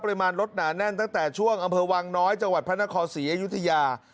รถหนาแน่นตั้งแต่ช่วงอำเภอวังน้อยจังหวัดพระนครศรีอยุธยา